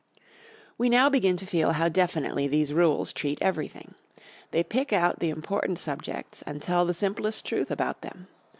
We now begin to feel how definitely these rules treat everything. They pick out the important subjects and tell the simplest truth about them.